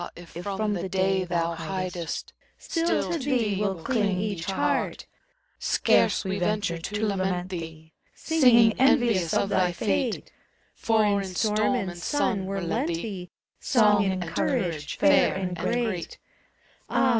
if from the Day thou faidest, Still to thee will ding each heart. Scarce we venture to lament thee. Singing, envious of thy fate; For in storm and sun were lent thee Song and courage, fair and great. Ah!